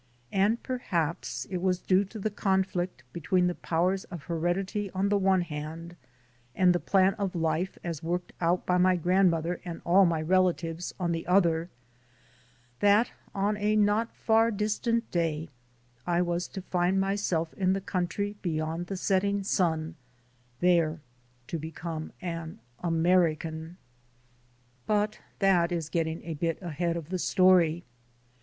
And perhaps it was due to the conflict be A NATIVE OF ANCIENT APULIA 18 tween the powers of heredity on the one hand, and the plan of life as worked out by my grandmother and all my relatives, on the other, that on a not far distant day I was to find myself in the country beyond the setting sun, there to become an American. But that is getting a bit ahead of the story.